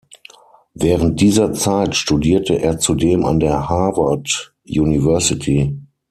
Während dieser Zeit studierte er zudem an der Harvard University.